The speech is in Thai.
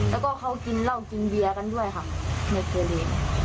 แล้วก็เขากินเหล้ากินเบียกันด้วยค่ะในตัวเอง